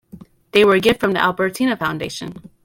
They were a gift from the Albertina Foundation.